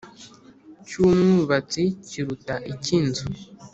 Cy umwubatsi kiruta icy inzu